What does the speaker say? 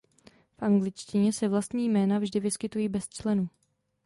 V angličtině se vlastní jména vždy vyskytují bez členu.